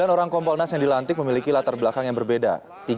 sembilan orang kompolnas yang dilantik memiliki latar belakang yang berbeda